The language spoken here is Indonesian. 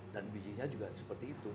dan bijinya juga seperti itu